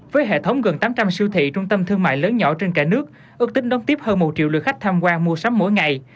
với hệ thống gần tám trăm linh siêu thị trung tâm thương mại lớn nhỏ trên cả nước ước tính đón tiếp hơn một triệu lượt khách tham quan mua sắm mỗi ngày